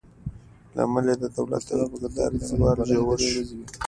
له امله یې د دولت د اقتدار زوال ژور شو.